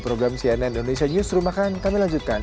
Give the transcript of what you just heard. program cnn indonesia news rumahkan kami lanjutkan